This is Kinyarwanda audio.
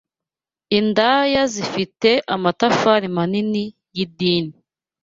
indaya zifite amatafari manini y'idini